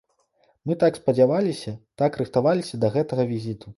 Мы так спадзяваліся, так рыхтаваліся да гэтага візіту!